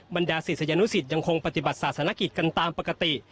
บรรดาศิษยานุสิตยังคงปฏิบัติศาสนกิจกันตามปกติ